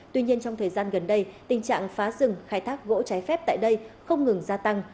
tuy nhiên trong thời gian gần đây tình trạng phá rừng khai thác gỗ trái phép tại đây không ngừng gia tăng